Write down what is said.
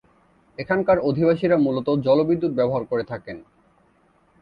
এখানকার অধিবাসীরা মূলত জলবিদ্যুৎ ব্যবহার করে থাকেন।